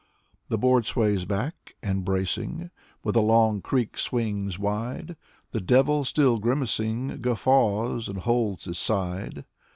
The board sways back, and bracing. With a long creak swings wide. The devil, still grimacing. Guffaws and holds his side.